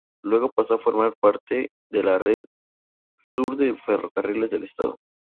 Luego pasó a formar parte de la red Sur de Ferrocarriles del Estado.